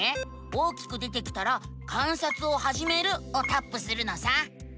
大きく出てきたら「観察をはじめる」をタップするのさ！